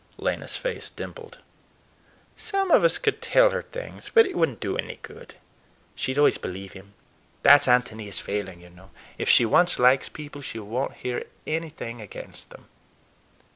Lena's face dimpled. "Some of us could tell her things, but it would n't do any good. She'd always believe him. That's Ántonia's failing, you know; if she once likes people, she won't hear anything against them."